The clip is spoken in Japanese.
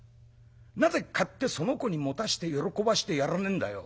なぜ買ってその子に持たして喜ばしてやらねえんだよ。